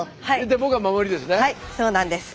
僕は守りですね。